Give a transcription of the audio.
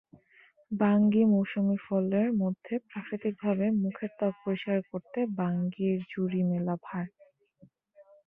বাঙ্গিমৌসুমি ফলের মধ্যে প্রাকৃতিকভাবে মুখের ত্বক পরিষ্কার করতে বাঙ্গির জুড়ি মেলা ভার।